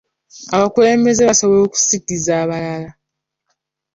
Abakulembeze basobola okusigiza abalala